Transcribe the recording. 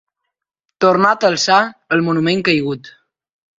Tornat a alçar, el monument caigut.